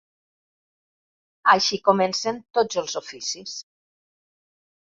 Així comencen tots els oficis.